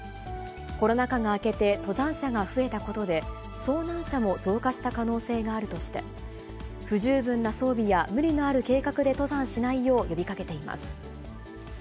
コロナ禍が明けて、登山者が増えたことで、遭難者も増加した可能性があるとして、不十分な装備や、無理のある計画で登山しないよう呼びかけています。